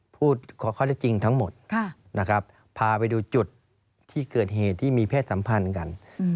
ขอข้อได้จริงทั้งหมดนะครับพาไปดูจุดที่เกิดเหตุที่มีเพศสัมพันธ์กัน